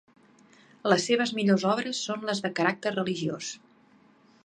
Les seves millors obres són les de caràcter religiós.